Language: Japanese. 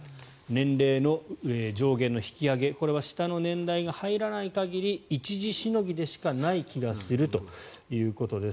年齢の上限の引き上げこれは下の年代が入らない限り一時しのぎでしかない気がするということです。